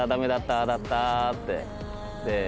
ああだったって。